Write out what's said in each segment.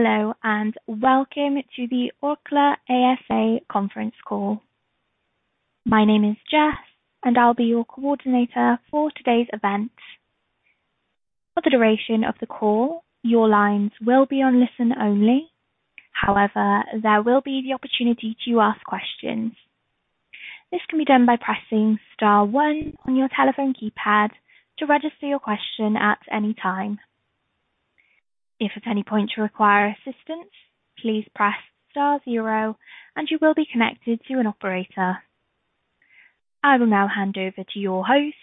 Hello, and welcome to the Orkla ASA conference call. My name is Jess, and I'll be your coordinator for today's event. For the duration of the call, your lines will be on listen only. However, there will be the opportunity to ask questions. This can be done by pressing star one on your telephone keypad to register your question at any time. If at any point you require assistance, please press star zero and you will be connected to an operator. I will now hand over to your host,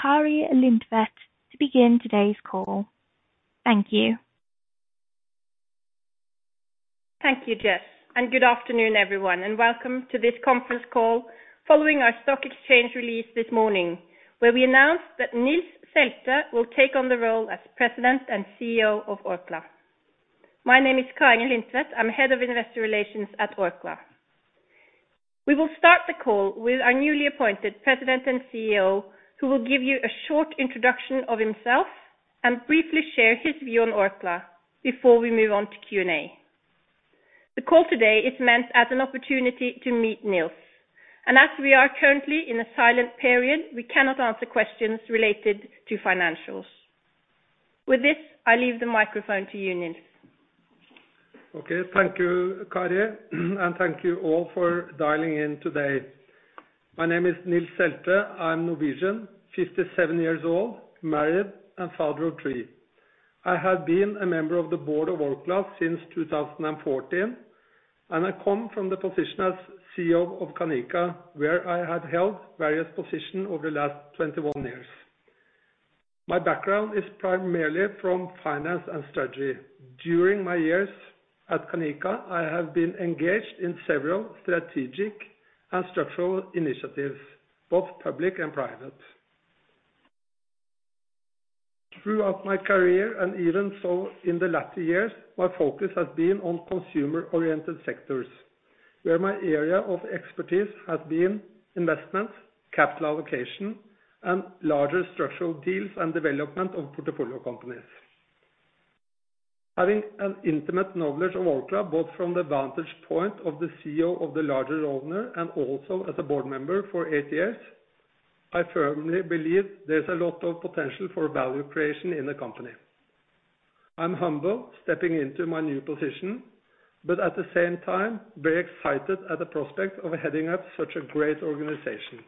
Kari Lindtvedt, to begin today's call. Thank you. Thank you, Jess, and good afternoon, everyone, and welcome to this conference call following our stock exchange release this morning, where we announced that Nils Selte will take on the role as President and CEO of Orkla. My name is Kari Lindtvedt. I'm Head of Investor Relations at Orkla. We will start the call with our newly appointed President and CEO, who will give you a short introduction of himself and briefly share his view on Orkla before we move on to Q&A. The call today is meant as an opportunity to meet Nils. As we are currently in a silent period, we cannot answer questions related to financials. With this, I leave the microphone to you, Nils. Okay. Thank you, Kari, and thank you all for dialing in today. My name is Nils Selte. I'm Norwegian, 57 years old, married and father of three. I have been a member of the Board of Orkla since 2014, and I come from the position as CEO of Canica, where I had held various position over the last 21 years. My background is primarily from finance and strategy. During my years at Canica, I have been engaged in several strategic and structural initiatives, both public and private. Throughout my career, and even so in the latter years, my focus has been on consumer-oriented sectors, where my area of expertise has been investment, capital allocation, and larger structural deals and development of portfolio companies. Having an intimate knowledge of Orkla, both from the vantage point of the CEO of the larger owner and also as a board member for eight years, I firmly believe there's a lot of potential for value creation in the company. I'm humble stepping into my new position, but at the same time, very excited at the prospect of heading up such a great organization.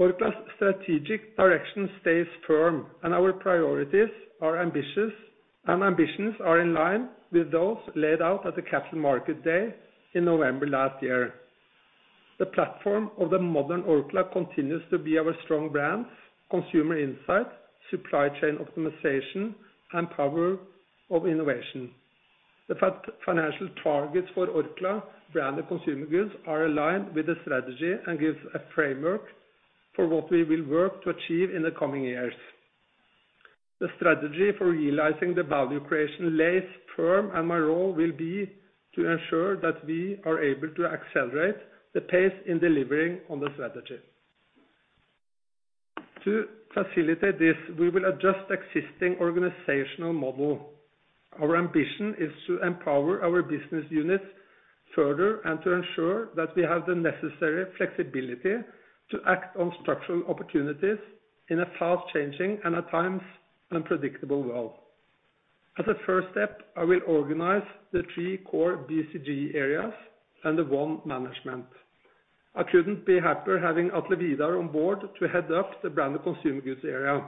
Orkla's strategic direction stays firm, and our priorities are ambitious, and ambitions are in line with those laid out at the Capital Markets Day in November last year. The platform of the modern Orkla continues to be our strong brand, consumer insight, supply chain optimization, and power of innovation. The financial targets for Orkla, Branded Consumer Goods, are aligned with the strategy and gives a framework for what we will work to achieve in the coming years. The strategy for realizing the value creation lies firm, and my role will be to ensure that we are able to accelerate the pace in delivering on the strategy. To facilitate this, we will adjust existing organizational model. Our ambition is to empower our business units further and to ensure that we have the necessary flexibility to act on structural opportunities in a fast-changing and, at times, unpredictable world. As a first step, I will organize the three core BCG areas and the One Orkla management. I couldn't be happier having Atle Vidar on board to head up the Branded Consumer Goods area.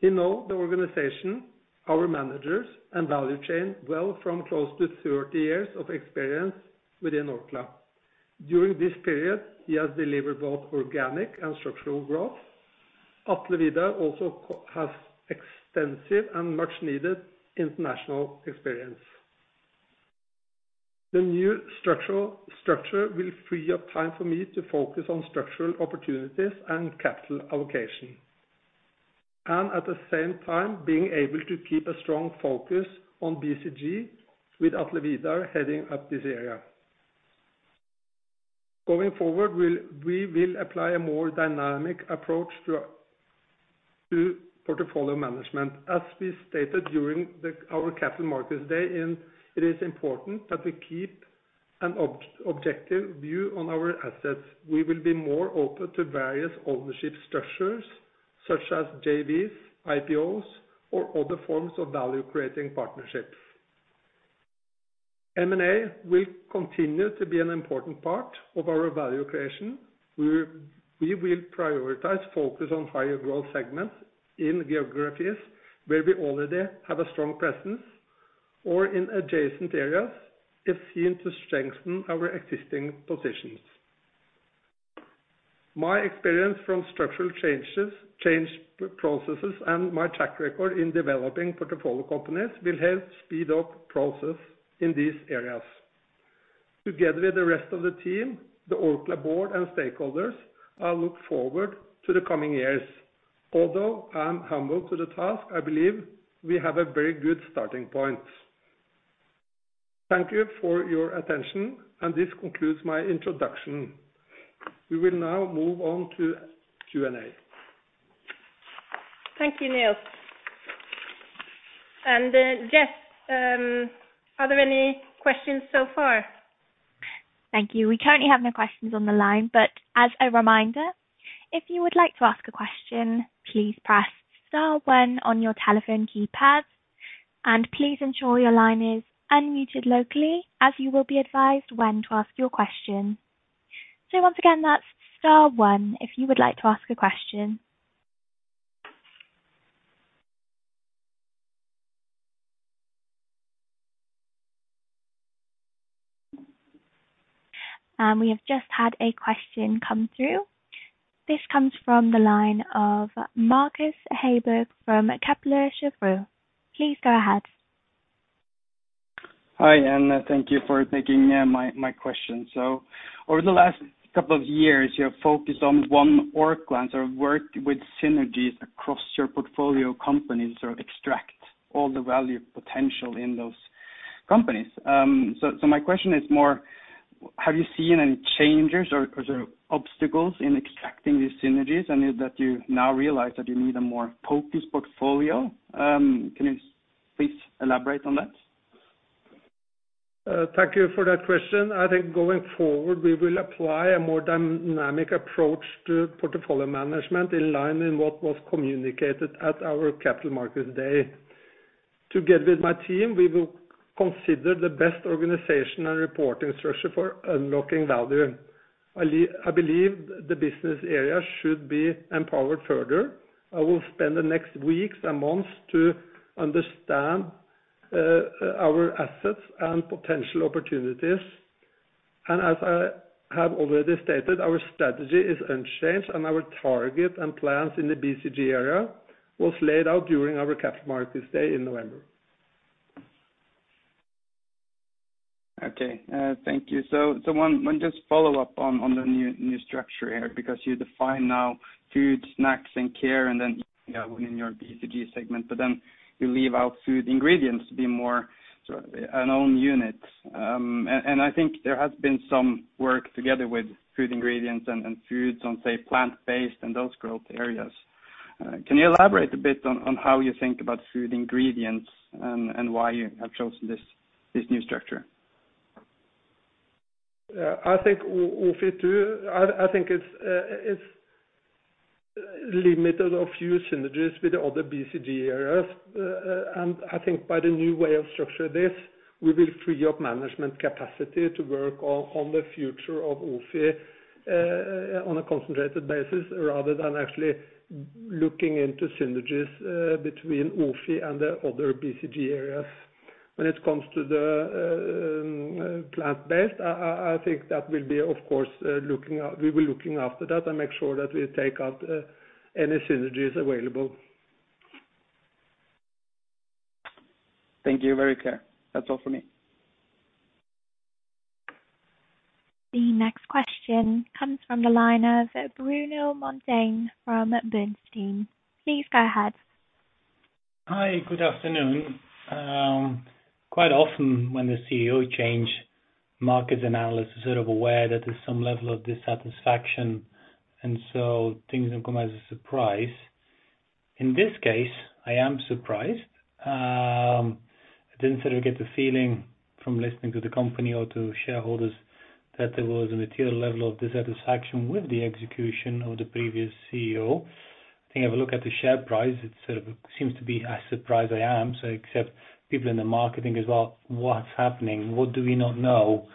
He knows the organization, our managers and value chain well from close to 30 years of experience within Orkla. During this period, he has delivered both organic and structural growth. Atle Vidar also has extensive and much-needed international experience. The new structure will free up time for me to focus on structural opportunities and capital allocation. At the same time, being able to keep a strong focus on BCG with Atle Vidar heading up this area. Going forward, we will apply a more dynamic approach to portfolio management. As we stated during our Capital Markets Day, it is important that we keep an objective view on our assets. We will be more open to various ownership structures, such as JVs, IPOs, or other forms of value-creating partnerships. M&A will continue to be an important part of our value creation. We will prioritize focus on higher growth segments in geographies where we already have a strong presence or in adjacent areas it's seen to strengthen our existing positions. My experience from structural changes, change processes, and my track record in developing portfolio companies will help speed up process in these areas. Together with the rest of the team, the Orkla board and stakeholders, I look forward to the coming years. Although I'm humble to the task, I believe we have a very good starting point. Thank you for your attention, and this concludes my introduction. We will now move on to Q&A. Thank you, Nils. Jess, are there any questions so far? Thank you. We currently have no questions on the line, but as a reminder, if you would like to ask a question, please press star one on your telephone keypad, and please ensure your line is unmuted locally as you will be advised when to ask your question. Once again, that's star one if you would like to ask a question. We have just had a question come through. This comes from the line of Marcus Haaberg from Kepler Cheuvreux. Please go ahead. Hi, and thank you for taking my question. Over the last couple of years, you have focused on One Orkla and worked with synergies across your portfolio companies to extract all the value potential in those companies. My question is, more, have you seen any changes or sort of obstacles in extracting these synergies and is it that you now realize that you need a more focused portfolio? Can you please elaborate on that? Thank you for that question. I think going forward, we will apply a more dynamic approach to portfolio management in line with what was communicated at our Capital Markets Day. Together with my team, we will consider the best organization and reporting structure for unlocking value. I believe the business area should be empowered further. I will spend the next weeks and months to understand our assets and potential opportunities. As I have already stated, our strategy is unchanged and our target and plans in the BCG area were laid out during our Capital Markets Day in November. Okay. Thank you. One just follow-up on the new structure here, because you define now food, snacks and care and then, you know, in your BCG segment, but then you leave out food ingredients to be more sort of an own unit. I think there has been some work together with food ingredients and foods on, say, plant-based and those growth areas. Can you elaborate a bit on how you think about food ingredients and why you have chosen this new structure? Yeah. I think OFI too. I think it's limited or few synergies with the other BCG areas. I think by the new way of structuring this, we will free up management capacity to work on the future of OFI on a concentrated basis rather than actually looking into synergies between OFI and the other BCG areas. When it comes to the plant-based, I think that will be of course. We'll be looking after that and make sure that we take out any synergies available. Thank you. Very clear. That's all for me. The next question comes from the line of Bruno Monteyne from Bernstein. Please go ahead. Hi. Good afternoon. Quite often when the CEO changes, markets and analysts are sort of aware that there's some level of dissatisfaction, so things don't come as a surprise. In this case, I am surprised. I didn't sort of get the feeling from listening to the company or to shareholders that there was a material level of dissatisfaction with the execution of the previous CEO. Taking a look at the share price, it sort of seems to be as surprised as I am. Expect people in the market as well. What's happening? What do we not know?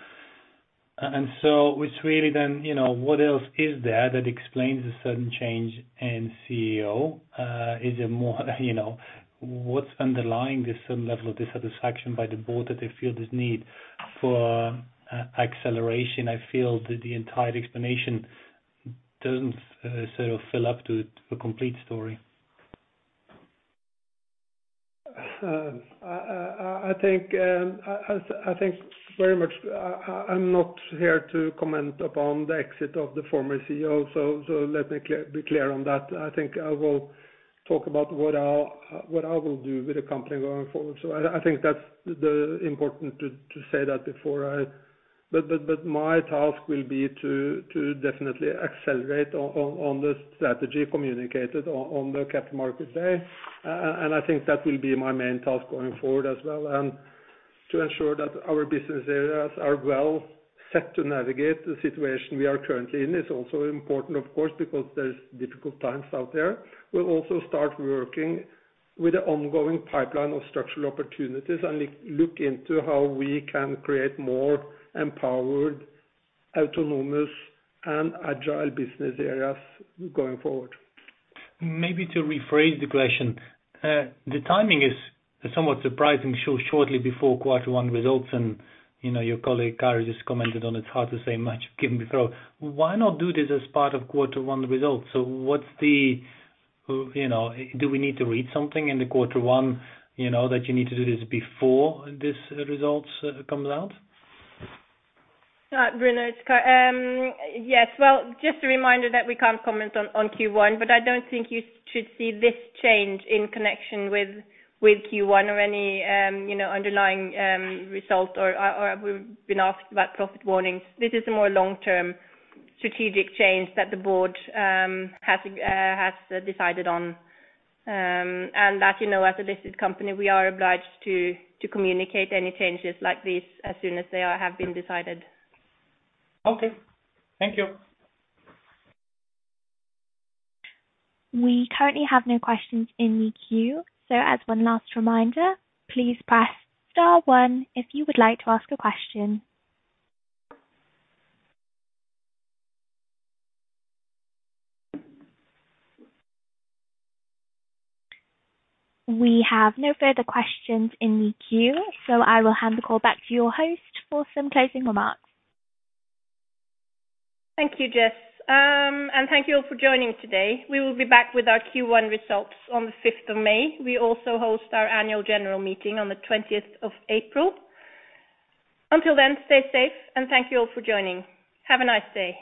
It's really then, you know, what else is there that explains the sudden change in CEO? Is it more, you know, what's underlying this sudden level of dissatisfaction by the board that they feel this need for acceleration? I feel that the entire explanation doesn't sort of fill up to a complete story. I think very much I'm not here to comment upon the exit of the former CEO. Let me be clear on that. I think I will talk about what I will do with the company going forward. I think that's important to say that before I. My task will be to definitely accelerate on the strategy communicated on the Capital Markets Day. I think that will be my main task going forward as well. To ensure that our business areas are well set to navigate the situation we are currently in is also important of course, because there's difficult times out there. We'll also start working with the ongoing pipeline of structural opportunities and look into how we can create more empowered, autonomous and agile business areas going forward. Maybe to rephrase the question, the timing is somewhat surprising so shortly before quarter one results and, you know, your colleague Kari just commented that it's hard to say much given the trough. Why not do this as part of quarter one results? What's the, you know, do we need to read something in the quarter one, you know, that you need to do this before these results comes out? Bruno, it's Kari. Yes. Well, just a reminder that we can't comment on Q1, but I don't think you should see this change in connection with Q1 or any, you know, underlying result, or we've been asked about profit warnings. This is a more long-term strategic change that the board has decided on. That, you know, as a listed company, we are obliged to communicate any changes like this as soon as they have been decided. Okay. Thank you. We currently have no questions in the queue. As one last reminder, please press star one if you would like to ask a question. We have no further questions in the queue, so I will hand the call back to your host for some closing remarks. Thank you, Jess. Thank you all for joining today. We will be back with our Q1 results on the 5th of May. We also host our annual general meeting on the 20th of April. Until then, stay safe, and thank you all for joining. Have a nice day.